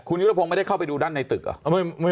คุณยุทธพงศ์ไม่ได้เข้าไปดูด้านในตึกเหรอ